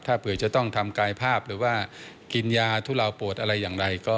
ถ้าเผื่อจะต้องทำกายภาพหรือว่ากินยาทุเลาปวดอะไรอย่างไร